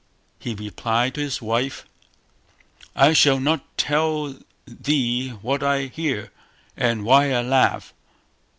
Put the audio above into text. He replied to his wife "I shall not tell thee what I hear, and why I laugh".